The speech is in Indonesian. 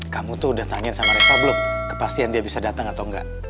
kamu tuh udah tanyain sama reka belum kepastian dia bisa datang atau enggak